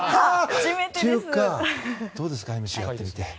どうですかＭＣやって見て。